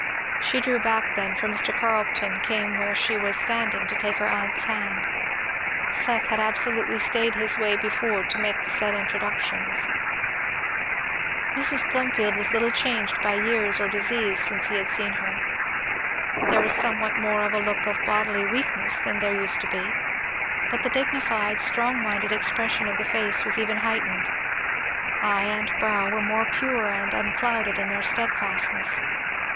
She drew back then, for Mr. Carleton came where she was standing to take her aunt's hand; Seth had absolutely stayed his way before to make the said introductions. Mrs. Plumfield was little changed by years or disease since he had seen her. There was somewhat more of a look of bodily weakness than there used to be; but the dignified, strong minded expression of the face was even heightened; eye and brow were more pure and unclouded in their steadfastness.